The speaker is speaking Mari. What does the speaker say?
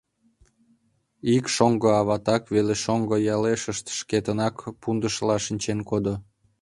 Ик шоҥго аваштак веле шоҥго ялешышт шкетынак пундышла шинчен кодо.